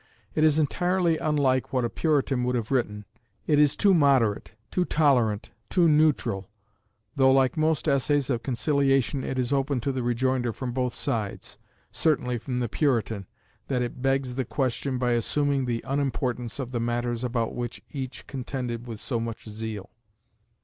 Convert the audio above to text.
It is entirely unlike what a Puritan would have written: it is too moderate, too tolerant, too neutral, though like most essays of conciliation it is open to the rejoinder from both sides certainly from the Puritan that it begs the question by assuming the unimportance of the matters about which each contended with so much zeal.